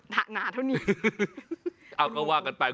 แก้ปัญหาผมร่วงล้านบาท